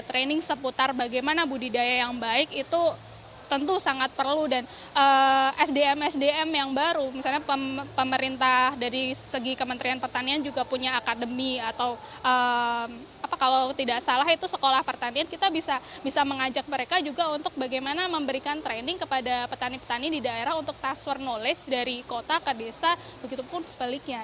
training seputar bagaimana budidaya yang baik itu tentu sangat perlu dan sdm sdm yang baru misalnya pemerintah dari segi kementerian pertanian juga punya akademi atau kalau tidak salah itu sekolah pertanian kita bisa mengajak mereka juga untuk bagaimana memberikan training kepada petani petani di daerah untuk transfer knowledge dari kota ke desa begitu pun sebaliknya